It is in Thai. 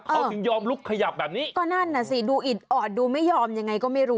เขาถึงยอมลุกขยับแบบนี้ก็นั่นน่ะสิดูอิดออดดูไม่ยอมยังไงก็ไม่รู้